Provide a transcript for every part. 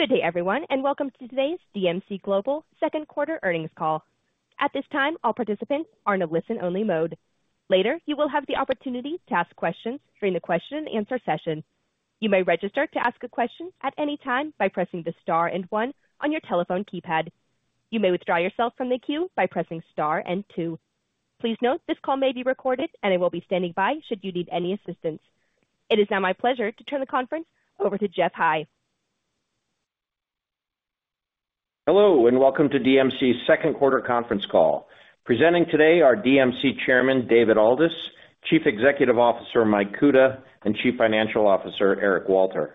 Good day, everyone, and welcome to today's DMC Global Second Quarter Earnings Call. At this time, all participants are in a listen-only mode. Later, you will have the opportunity to ask questions during the question-and-answer session. You may register to ask a question at any time by pressing the star and one on your telephone keypad. You may withdraw yourself from the queue by pressing star and two. Please note, this call may be recorded, and I will be standing by should you need any assistance. It is now my pleasure to turn the conference over to Geoff High. Hello, welcome to DMC's Second Quarter Conference Call. Presenting today are DMC Chairman, David Aldous, Chief Executive Officer, Michael Kuta, and Chief Financial Officer, Eric Walter.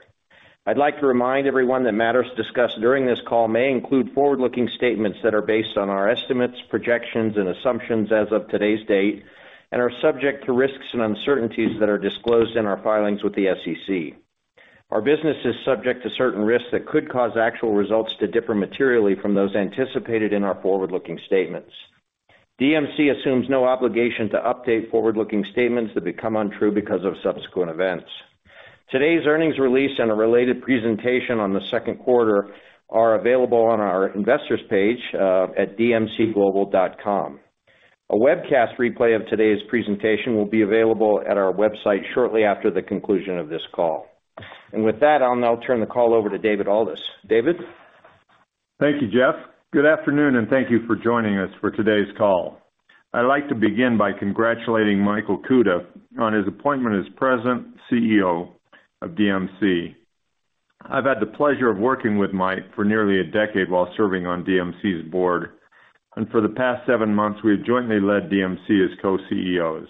I'd like to remind everyone that matters discussed during this call may include forward-looking statements that are based on our estimates, projections, and assumptions as of today's date, and are subject to risks and uncertainties that are disclosed in our filings with the SEC. Our business is subject to certain risks that could cause actual results to differ materially from those anticipated in our forward-looking statements. DMC assumes no obligation to update forward-looking statements that become untrue because of subsequent events. Today's earnings release and a related presentation on the second quarter are available on our investors page at dmcglobal.com. A webcast replay of today's presentation will be available at our website shortly after the conclusion of this call. With that, I'll now turn the call over to David Aldous. David? Thank you, Geoff. Good afternoon, and thank you for joining us for today's call. I'd like to begin by congratulating Michael Kuta on his appointment as President CEO of DMC. I've had the pleasure of working with Mike for nearly a decade while serving on DMC's board, and for the past seven months, we have jointly led DMC as co-CEOs.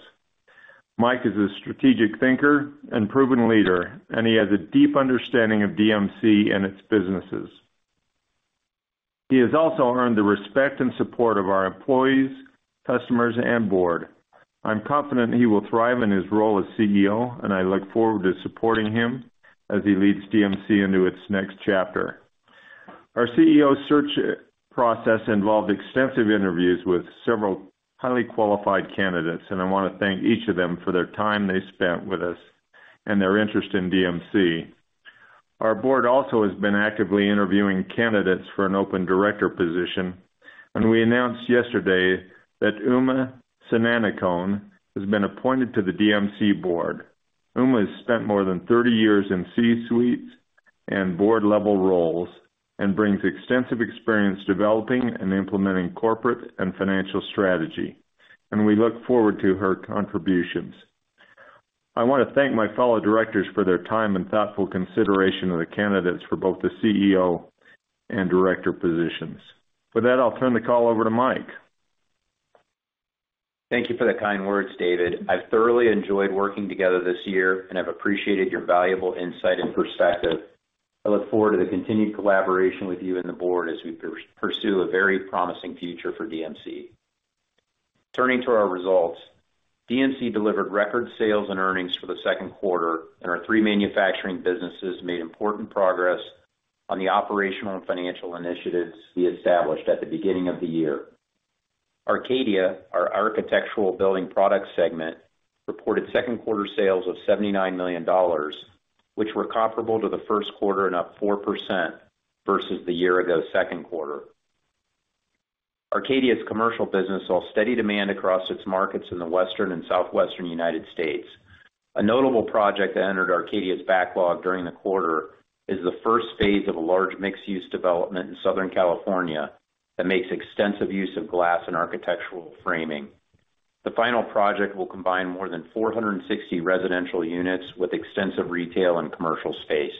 Mike is a strategic thinker and proven leader, and he has a deep understanding of DMC and its businesses. He has also earned the respect and support of our employees, customers, and board. I'm confident he will thrive in his role as CEO, and I look forward to supporting him as he leads DMC into its next chapter. Our CEO search process involved extensive interviews with several highly qualified candidates, and I wanna thank each of them for their time they spent with us and their interest in DMC. Our board also has been actively interviewing candidates for an open director position, and we announced yesterday that Ouma Sananikone has been appointed to the DMC board. Ouma has spent more than 30 years in C-suites and board-level roles, and brings extensive experience developing and implementing corporate and financial strategy, and we look forward to her contributions. I want to thank my fellow directors for their time and thoughtful consideration of the candidates for both the CEO and director positions. For that, I'll turn the call over to Mike. Thank you for the kind words, David. I've thoroughly enjoyed working together this year. I've appreciated your valuable insight and perspective. I look forward to the continued collaboration with you and the board as we pursue a very promising future for DMC. Turning to our results, DMC delivered record sales and earnings for the second quarter. Our three manufacturing businesses made important progress on the operational and financial initiatives we established at the beginning of the year. Arcadia, our architectural building product segment, reported second quarter sales of $79 million, which were comparable to the first quarter and up 4% versus the year-ago second quarter. Arcadia's commercial business saw steady demand across its markets in the Western and Southwestern United States. A notable project that entered Arcadia's backlog during the quarter is the first phase of a large mixed-use development in Southern California that makes extensive use of glass and architectural framing. The final project will combine more than 460 residential units with extensive retail and commercial space.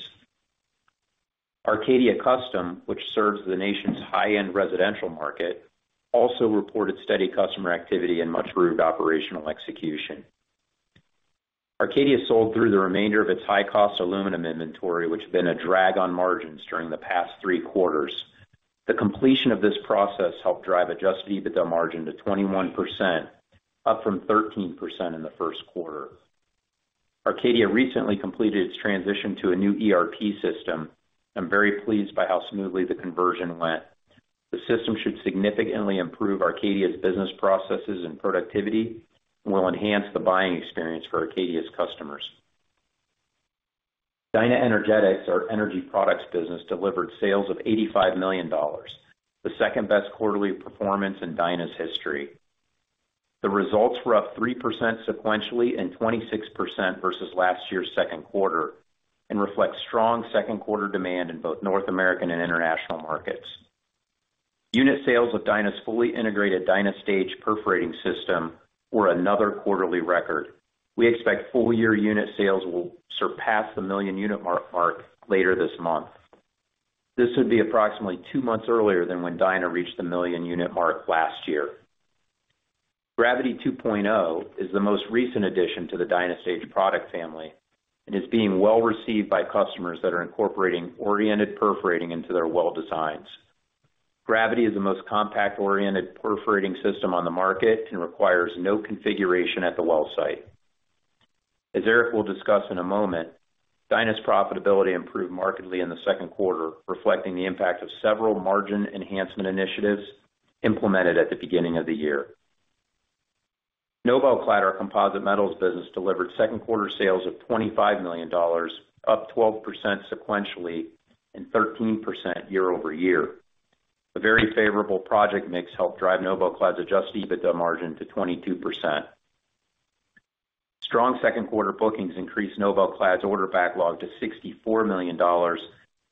Arcadia Custom, which serves the nation's high-end residential market, also reported steady customer activity and much-improved operational execution. Arcadia sold through the remainder of its high-cost aluminum inventory, which has been a drag on margins during the past three quarters. The completion of this process helped drive adjusted EBITDA margin to 21%, up from 13% in the first quarter. Arcadia recently completed its transition to a new ERP system. I'm very pleased by how smoothly the conversion went. The system should significantly improve Arcadia's business processes and productivity, and will enhance the buying experience for Arcadia's customers. DynaEnergetics, our energy products business, delivered sales of $85 million, the second-best quarterly performance in Dyna's history. The results were up 3% sequentially and 26% versus last year's second quarter, and reflect strong second quarter demand in both North American and international markets. Unit sales of Dyna's fully integrated DynaStage perforating system were another quarterly record. We expect full year unit sales will surpass the million unit mark later this month. This would be approximately two months earlier than when Dyna reached the million unit mark last year. Gravity 2.0 is the most recent addition to the DynaStage product family and is being well received by customers that are incorporating oriented perforating into their well designs. Gravity is the most compact-oriented perforating system on the market and requires no configuration at the well site. As Eric will discuss in a moment, Dyna's profitability improved markedly in the second quarter, reflecting the impact of several margin enhancement initiatives implemented at the beginning of the year. NobelClad, our composite metals business, delivered second quarter sales of $25 million, up 12% sequentially and 13% year-over-year. A very favorable project mix helped drive NobelClad's adjusted EBITDA margin to 22%. Strong second quarter bookings increased NobelClad's order backlog to $64 million,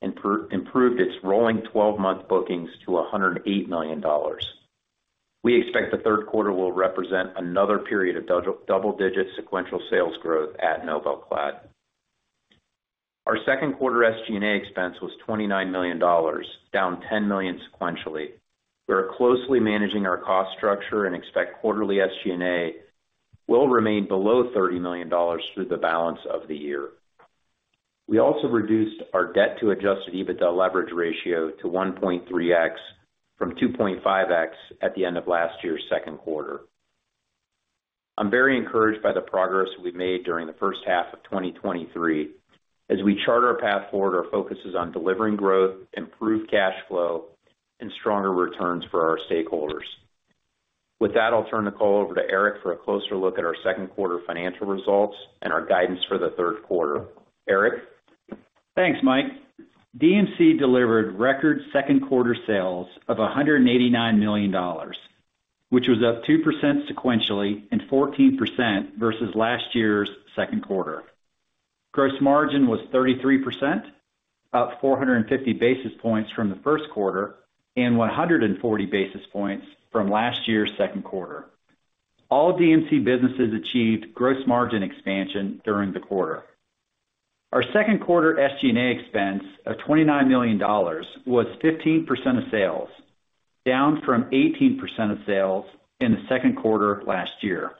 and improved its rolling 12-month bookings to $108 million. We expect the third quarter will represent another period of double-digit sequential sales growth at NobelClad. Our second quarter SG&A expense was $29 million, down $10 million sequentially. We are closely managing our cost structure and expect quarterly SG&I will remain below $30 million through the balance of the year. We also reduced our debt to adjusted EBITDA leverage ratio to 1.3x, from 2.5x, at the end of last year's second quarter. I'm very encouraged by the progress we've made during the first half of 2023. As we chart our path forward, our focus is on delivering growth, improved cash flow, and stronger returns for our stakeholders. With that, I'll turn the call over to Eric for a closer look at our second quarter financial results and our guidance for the third quarter. Eric? Thanks, Mike. DMC delivered record second quarter sales of $189 million, which was up 2% sequentially, and 14% versus last year's second quarter. Gross margin was 33%, up 450 basis points from the first quarter, and 140 basis points from last year's second quarter. All DMC businesses achieved gross margin expansion during the quarter. Our second quarter SG&A expense of $29 million was 15% of sales, down from 18% of sales in the second quarter of last year.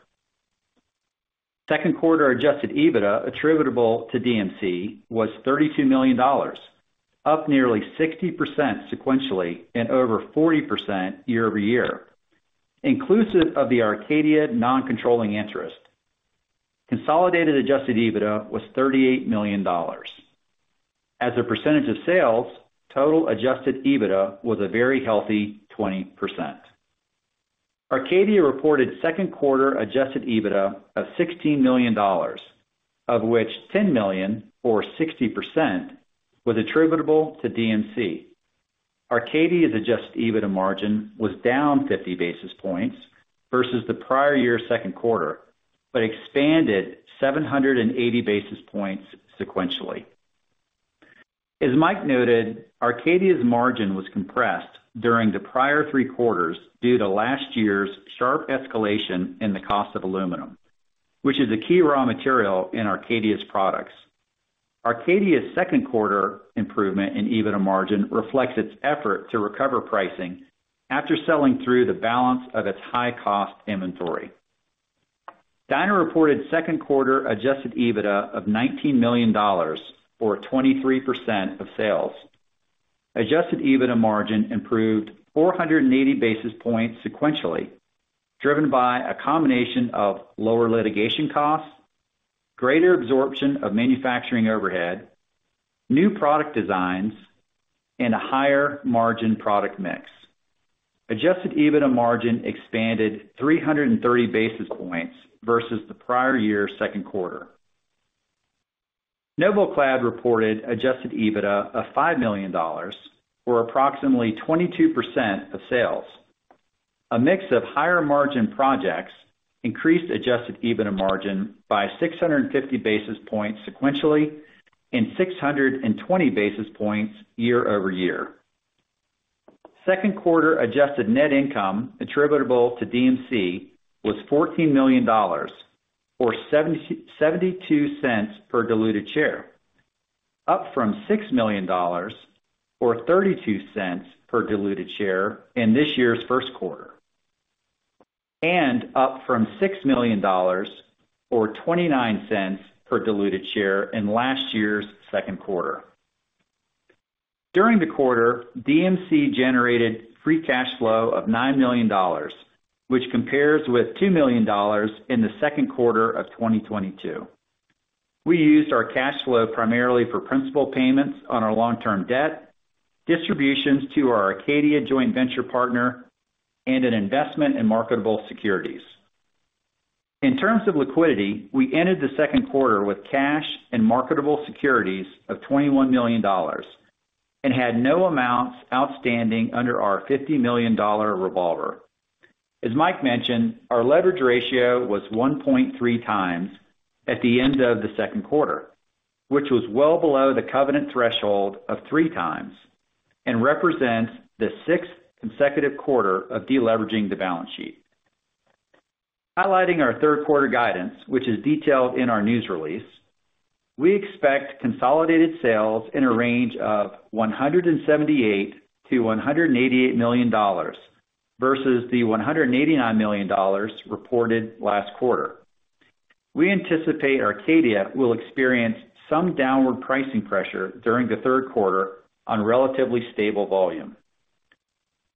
Second quarter adjusted EBITDA attributable to DMC was $32 million, up nearly 60% sequentially, and over 40% year-over-year, inclusive of the Arcadia non-controlling interest. Consolidated adjusted EBITDA was $38 million. As a percentage of sales, total adjusted EBITDA was a very healthy 20%. Arcadia reported second quarter adjusted EBITDA of $16 million, of which $10 million, or 60%, was attributable to DMC. Arcadia's adjusted EBITDA margin was down 50 basis points versus the prior year's second quarter, but expanded 780 basis points sequentially. As Mike noted, Arcadia's margin was compressed during the prior three quarters due to last year's sharp escalation in the cost of aluminum, which is a key raw material in Arcadia's products. Arcadia's second quarter improvement in EBITDA margin reflects its effort to recover pricing after selling through the balance of its high-cost inventory. Dyna reported second quarter adjusted EBITDA of $19 million, or 23% of sales. Adjusted EBITDA margin improved 480 basis points sequentially, driven by a combination of lower litigation costs, greater absorption of manufacturing overhead, new product designs, and a higher margin product mix. Adjusted EBITDA margin expanded 330 basis points versus the prior year's second quarter. NobelClad reported adjusted EBITDA of $5 million, or approximately 22% of sales. A mix of higher margin projects increased adjusted EBITDA margin by 650 basis points sequentially, and 620 basis points year-over-year. Second quarter adjusted net income attributable to DMC was $14 million, or $0.72 per diluted share, up from $6 million, or $0.32 per diluted share in this year's first quarter, and up from $6 million, or $0.29 per diluted share in last year's second quarter. During the quarter, DMC generated free cash flow of $9 million, which compares with $2 million in the second quarter of 2022. We used our cash flow primarily for principal payments on our long-term debt, distributions to our Arcadia joint venture partner, and an investment in marketable securities. In terms of liquidity, we ended the second quarter with cash and marketable securities of $21 million, and had no amounts outstanding under our $50 million revolver. As Mike mentioned, our leverage ratio was 1.3 times at the end of the second quarter, which was well below the covenant threshold of 3 times, and represents the sixth consecutive quarter of deleveraging the balance sheet. Highlighting our third quarter guidance, which is detailed in our news release, we expect consolidated sales in a range of $178 million-$188 million versus the $189 million reported last quarter. We anticipate Arcadia will experience some downward pricing pressure during the third quarter on relatively stable volume.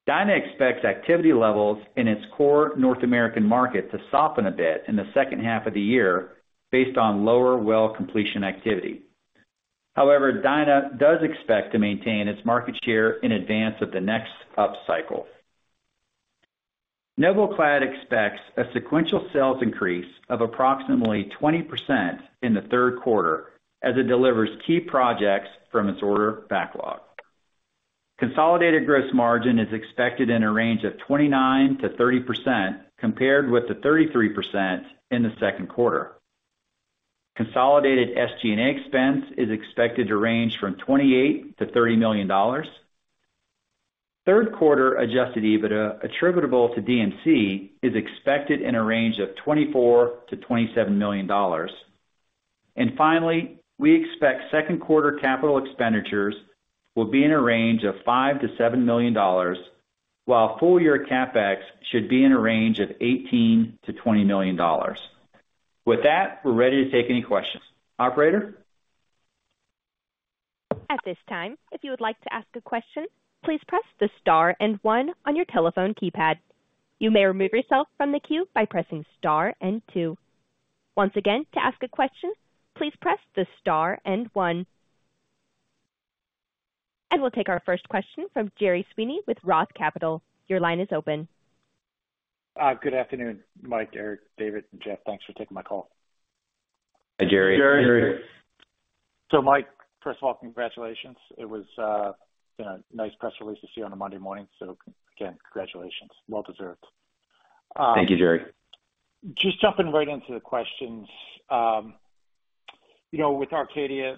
Dyna expects activity levels in its core North American market to soften a bit in the second half of the year based on lower well completion activity. However, Dyna does expect to maintain its market share in advance of the next upcycle. NobelClad expects a sequential sales increase of approximately 20% in the third quarter, as it delivers key projects from its order backlog. Consolidated gross margin is expected in a range of 29%-30%, compared with the 33% in the second quarter. Consolidated SG&A expense is expected to range from $28 million-$30 million. Third quarter adjusted EBITDA, attributable to DMC, is expected in a range of $24 million-$27 million. Finally, we expect second quarter capital expenditures will be in a range of $5 million-$7 million, while full year CapEx should be in a range of $18 million-$20 million. With that, we're ready to take any questions. Operator? At this time, if you would like to ask a question, please press the star and one on your telephone keypad. You may remove yourself from the queue by pressing star and two. Once again, to ask a question, please press the star and one. We'll take our first question from Gerry Sweeney with Roth Capital. Your line is open. Good afternoon, Mike, Eric, David, and Geoff. Thanks for taking my call. Hi, Gerry. Gerry. Mike, first of all, congratulations. It was been a nice press release to see on a Monday morning. Again, congratulations. Well deserved. Thank you, Gerry. Just jumping right into the questions. You know, with Arcadia,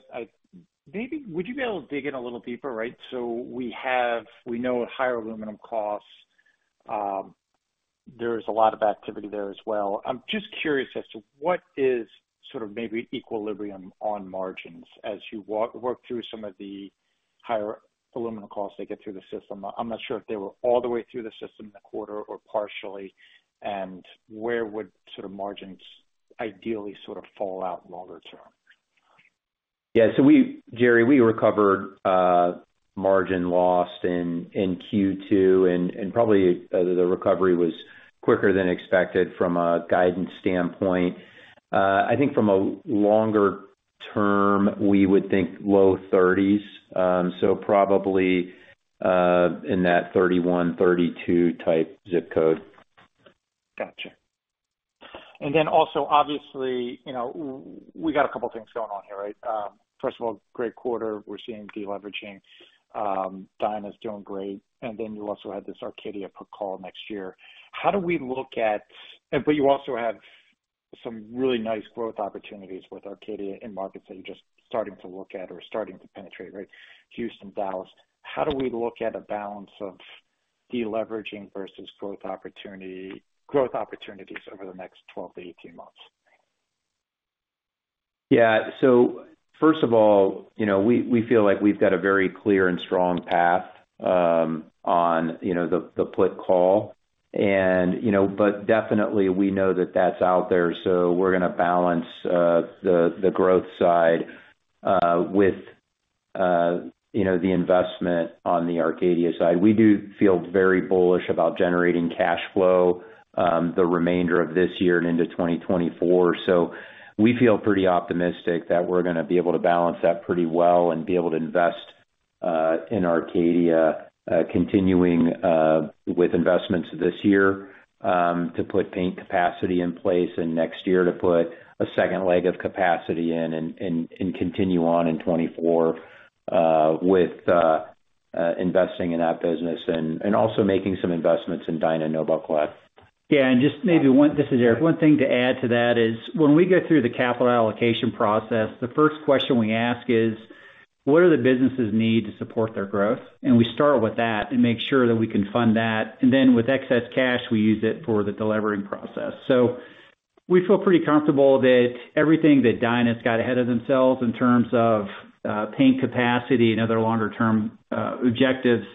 maybe would you be able to dig in a little deeper, right? So we have, we know, higher aluminum costs. There's a lot of activity there as well. I'm just curious as to what is sort of maybe equilibrium on margins as you work through some of the higher aluminum costs they get through the system. I'm not sure if they were all the way through the system in the quarter or partially, and where would sort of margins ideally sort of fall out longer term? Yeah. We, Gerry, we recovered, margin lost in, in Q2, and, and probably, the recovery was quicker than expected from a guidance standpoint. I think from a longer term, we would think low 30s. Probably, in that 31, 32 type zip code. Gotcha. Then also, obviously, you know, we got a couple things going on here, right? First of all, great quarter. We're seeing de-leveraging. Dyna's doing great. Then you also have this Arcadia put/call next year. You also have some really nice growth opportunities with Arcadia in markets that you're just starting to look at or starting to penetrate, right? Houston, Dallas. How do we look at a balance of de-leveraging versus growth opportunity, growth opportunities over the next 12 to 18 months? Yeah. First of all, you know, we, we feel like we've got a very clear and strong path, on, you know, the put/call, and, you know, but definitely we know that that's out there, so we're gonna balance the growth side with, you know, the investment on the Arcadia side. We do feel very bullish about generating cash flow the remainder of this year and into 2024. We feel pretty optimistic that we're gonna be able to balance that pretty well and be able to invest in Arcadia, continuing with investments this year to put paint capacity in place, and next year, to put a second leg of capacity in and continue on in 2024 with investing in that business and also making some investments in Dyna NobelClad. Yeah, just maybe this is Eric. One thing to add to that is, when we go through the capital allocation process, the first question we ask is: What are the businesses need to support their growth? We start with that and make sure that we can fund that. Then with excess cash, we use it for the delivering process. We feel pretty comfortable that everything that Dyna's got ahead of themselves in terms of paint capacity and other longer term objectives,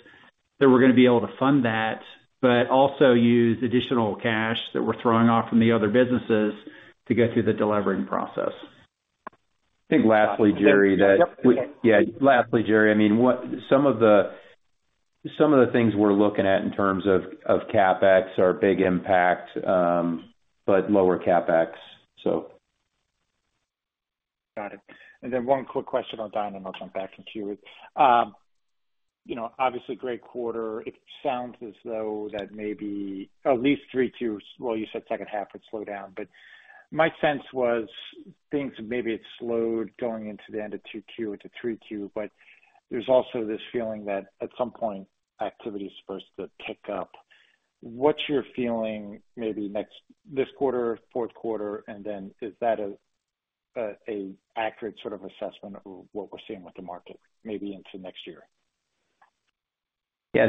that we're gonna be able to fund that, but also use additional cash that we're throwing off from the other businesses to get through the delivering process. I think lastly, Gerry. Yep. Yeah. Lastly, Gerry, I mean, some of the things we're looking at in terms of CapEx are big impact, but lower CapEx, so. Got it. Then one quick question on Dyna, and I'll jump back into you, Eric. You know, obviously, great quarter. It sounds as though that maybe at least three twos, well, you said second half would slow down, but my sense was things maybe it slowed going into the end of 2Q into 3Q, but there's also this feeling that at some point, activity is supposed to pick up. What's your feeling maybe this quarter, fourth quarter, and then is that a accurate sort of assessment of what we're seeing with the market maybe into next year? Yeah,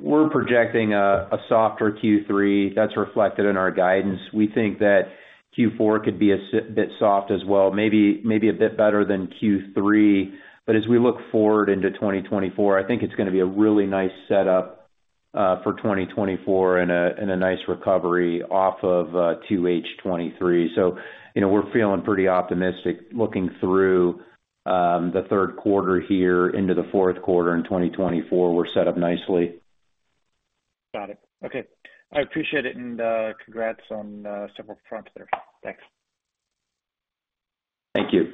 we're projecting a softer Q3 that's reflected in our guidance. We think that Q4 could be a bit soft as well, maybe, maybe a bit better than Q3. As we look forward into 2024, I think it's gonna be a really nice setup for 2024 and a nice recovery off of 2H 2023. You know, we're feeling pretty optimistic looking through the third quarter here into the fourth quarter in 2024, we're set up nicely. Got it. Okay, I appreciate it. Congrats on several fronts there. Thanks. Thank you.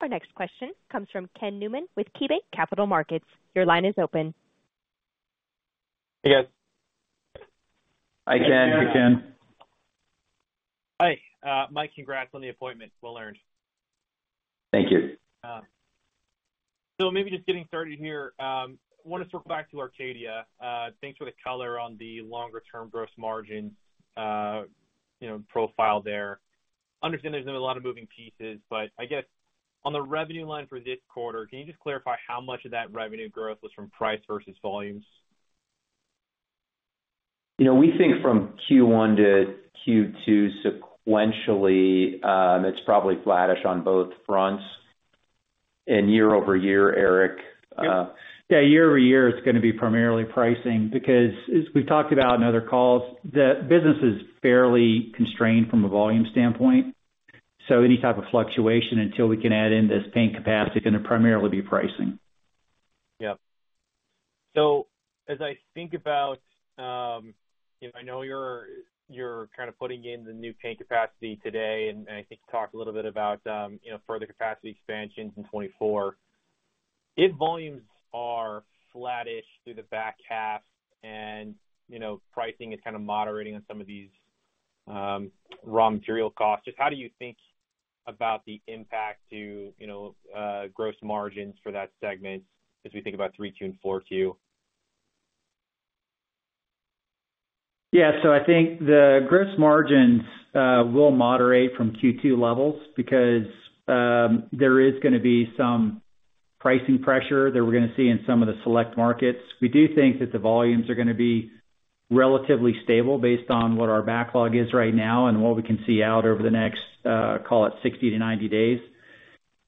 Our next question comes from Ken Newman with KeyBanc Capital Markets. Your line is open. Hey, guys. Hi, Ken. Hi, Mike, congrats on the appointment. Well earned. Thank you. Maybe just getting started here, I want to circle back to Arcadia. Thanks for the color on the longer term gross margin, you know, profile there. Understand there's been a lot of moving pieces, I guess on the revenue line for this quarter, can you just clarify how much of that revenue growth was from price versus volumes? You know, we think from Q1 to Q2 sequentially, it's probably flattish on both fronts and year-over-year, Eric. Yeah, year-over-year, it's gonna be primarily pricing, because as we've talked about in other calls, the business is fairly constrained from a volume standpoint. Any type of fluctuation until we can add in this paint capacity is gonna primarily be pricing. Yep. As I think about, you know, I know you're, you're kind of putting in the new paint capacity today, and, and I think you talked a little bit about, you know, further capacity expansions in 2024. If volumes are flattish through the back half and, you know, pricing is kind of moderating on some of these, raw material costs, just how do you think about the impact to, you know, gross margins for that segment as we think about 3Q and 4Q? Yeah. I think the gross margins will moderate from Q2 levels because there is gonna be some pricing pressure that we're gonna see in some of the select markets. We do think that the volumes are gonna be relatively stable based on what our backlog is right now and what we can see out over the next, call it 60-90 days.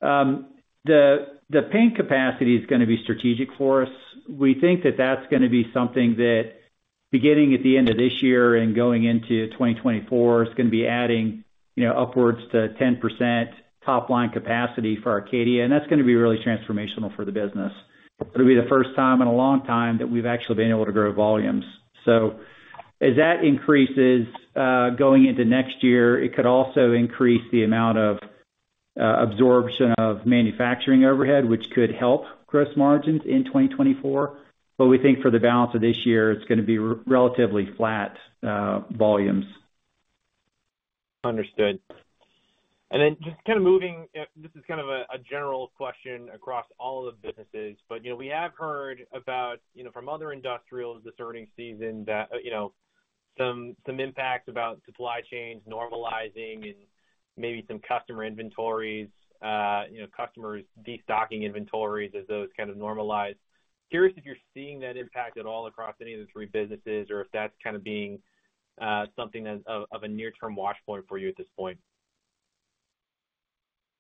The, the paint capacity is gonna be strategic for us. We think that that's gonna be something that, beginning at the end of this year and going into 2024, is gonna be adding, you know, upwards to 10% top line capacity for Arcadia, and that's gonna be really transformational for the business. It'll be the first time in a long time that we've actually been able to grow volumes. As that increases, going into next year, it could also increase the amount of absorption of manufacturing overhead, which could help gross margins in 2024. We think for the balance of this year, it's gonna be relatively flat, volumes. Understood. Then just kind of moving, this is kind of a, a general question across all of the businesses, but, you know, we have heard about, you know, from other industrials this earning season, that, you know, some, some impacts about supply chains normalizing and maybe some customer inventories, you know, customers destocking inventories as those kind of normalize. Curious if you're seeing that impact at all across any of the three businesses, or if that's kind of being, something that of, of a near-term wash point for you at this point?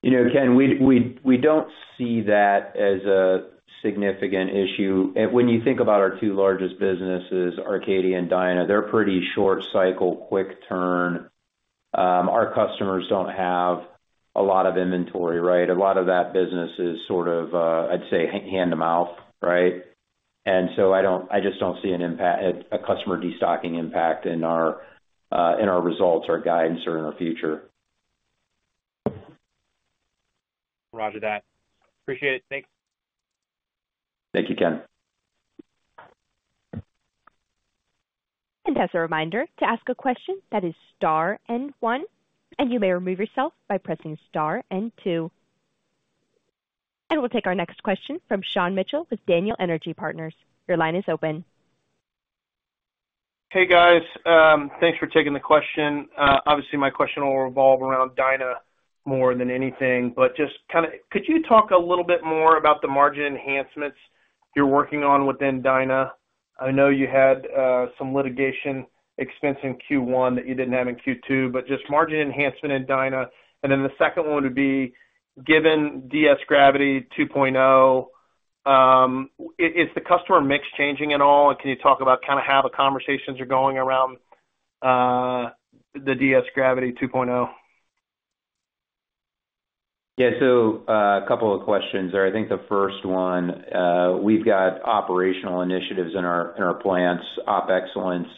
You know, Ken, we don't see that as a significant issue. When you think about our two largest businesses, Arcadia and Dyna, they're pretty short cycle, quick turn. Our customers don't have a lot of inventory, right? A lot of that business is sort of, I'd say, hand to mouth, right? I just don't see an impact, a customer destocking impact in our, in our results, our guidance or in our future. Roger that. Appreciate it. Thanks. Thank you, Ken. As a reminder, to ask a question that is star 1, and you may remove yourself by pressing star two. We'll take our next question from Sean Mitchell with Daniel Energy Partners. Your line is open. Hey, guys. Thanks for taking the question. Obviously, my question will revolve around Dyna more than anything. Could you talk a little bit more about the margin enhancements you're working on within Dyna? I know you had some litigation expense in Q1 that you didn't have in Q2, but just margin enhancement in Dyna. Then the second one would be, given DS Gravity 2.0, is the customer mix changing at all? Can you talk about kind of how the conversations are going around the DS Gravity 2.0? Yeah, a couple of questions there. I think the first one, we've got operational initiatives in our, in our plants, op excellence,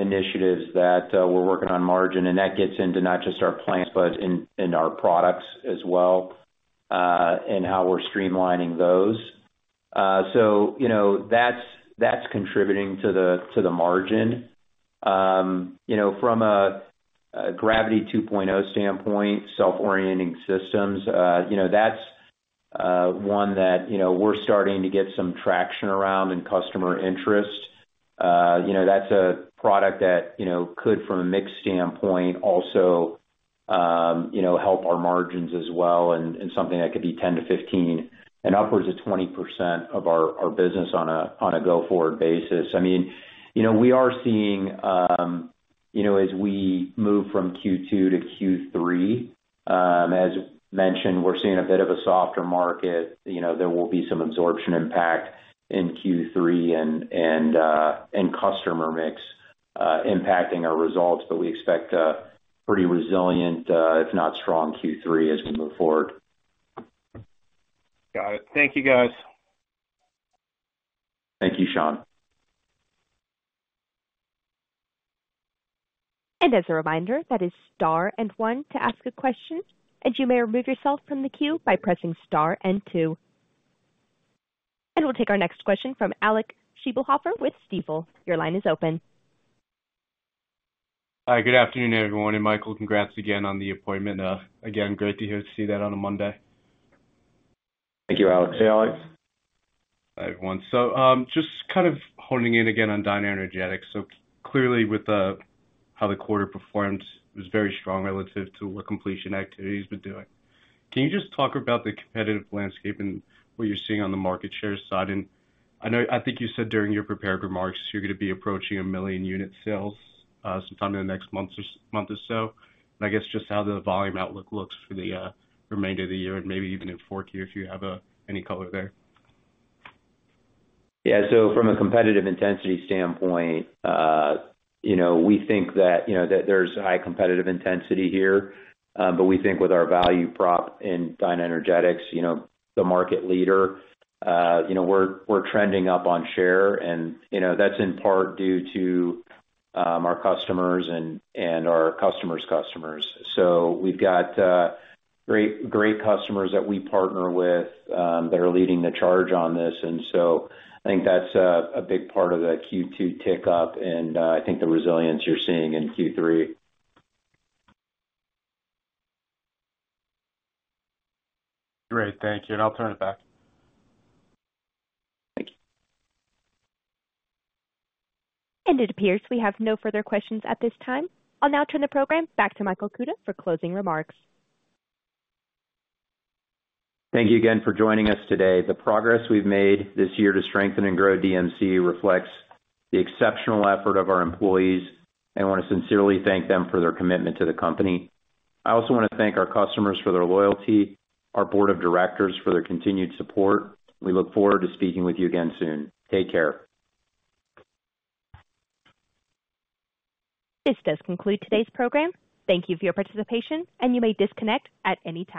initiatives that, we're working on margin, that gets into not just our plants, but in, in our products as well, and how we're streamlining those. You know, that's, that's contributing to the, to the margin. You know, from a, a Gravity 2.0 standpoint, self-orienting systems, you know, that's, one that, you know, we're starting to get some traction around and customer interest. You know, that's a product that, you know, could, from a mix standpoint, also, you know, help our margins as well, something that could be 10-15% and upwards of 20% of our, our business on a, on a go-forward basis. I mean, you know, we are seeing, you know, as we move from Q2 to Q3, as mentioned, we're seeing a bit of a softer market. You know, there will be some absorption impact in Q3 and, and customer mix, impacting our results, but we expect a pretty resilient, if not strong, Q3 as we move forward. Got it. Thank you, guys. Thank you, Sean. As a reminder, that is star and one to ask a question, and you may remove yourself from the queue by pressing star and two. We'll take our next question from Alec Scheibelhoffer with Stifel. Your line is open. Hi, good afternoon, everyone, and Michael, congrats again on the appointment. Again, great to hear, to see that on a Monday. Thank you, Alec. Hey, Alex. Hi, everyone. Just kind of honing in again on DynaEnergetics. Clearly, how the quarter performed, it was very strong relative to what completion activity's been doing. Can you just talk about the competitive landscape and what you're seeing on the market share side? I think you said during your prepared remarks, you're going to be approaching 1 million unit sales sometime in the next month or month or so. I guess, just how the volume outlook looks for the remainder of the year and maybe even in fourth year, if you have any color there. Yeah, from a competitive intensity standpoint, you know, we think that, you know, that there's high competitive intensity here. We think with our value prop in DynaEnergetics, you know, the market leader, you know, we're, we're trending up on share and, you know, that's in part due to our customers and, and our customer's customers. We've got, great, great customers that we partner with, that are leading the charge on this. I think that's a big part of the Q2 tick up, and I think the resilience you're seeing in Q3. Great. Thank you, and I'll turn it back. Thank you. It appears we have no further questions at this time. I'll now turn the program back to Michael Kuta for closing remarks. Thank you again for joining us today. The progress we've made this year to strengthen and grow DMC reflects the exceptional effort of our employees, and I want to sincerely thank them for their commitment to the company. I also want to thank our customers for their loyalty, our board of directors for their continued support. We look forward to speaking with you again soon. Take care. This does conclude today's program. Thank you for your participation. You may disconnect at any time.